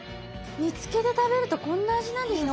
煮付けで食べるとこんな味なんですね。